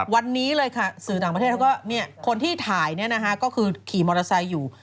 วันนี้เลยค่ะสื่อต่างประเทศเขาก็คนที่ถ่ายก็คือขี่มอเตอร์ไซค์อยู่